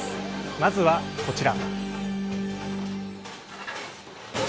まずはこちら。